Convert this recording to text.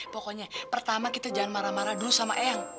pokoknya pertama kita jangan marah marah dulu sama eyang